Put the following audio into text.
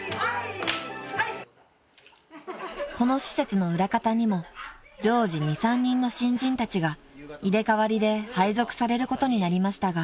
［この施設の裏方にも常時２３人の新人たちが入れ替わりで配属されることになりましたが］